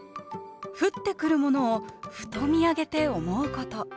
降ってくるものをふと見上げて思うこと。